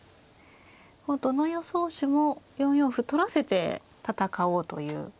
どの予想手も４四歩取らせて戦おうという手ですね。